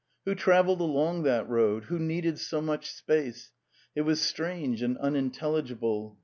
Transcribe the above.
Who travelled along that road? Who needed so much space? It was strange and unintelligible.